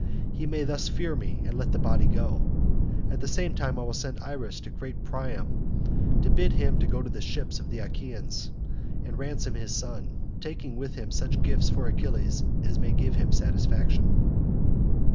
He may thus fear me and let the body go. At the same time I will send Iris to great Priam to bid him go to the ships of the Achaeans, and ransom his son, taking with him such gifts for Achilles as may give him satisfaction."